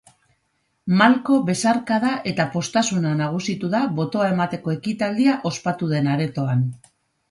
Malko, besarkada eta poztasuna nagusitu da botoa emateko ekitaldia ospatu den aretoan.